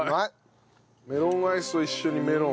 メロンアイスと一緒にメロン。